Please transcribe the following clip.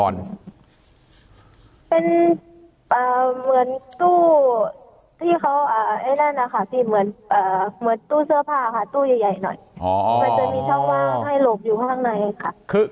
เป็นเหมือนตู้เสื้อผ้าค่ะตู้ใหญ่หน่อยมันจะมีช่องว่างให้หลบอยู่ข้างในค่ะ